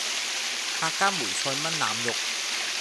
客家梅菜炆腩肉